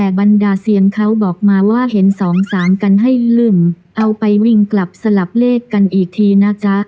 แต่บรรดาเสียงเขาบอกมาว่าเห็นสองสามกันให้ลื่นเอาไปวิ่งกลับสลับเลขกันอีกทีนะจ๊ะ